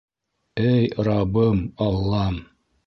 Эй раббым-аллам!